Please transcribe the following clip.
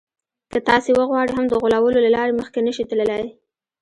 که تاسې وغواړئ هم د غولولو له لارې مخکې نه شئ تللای.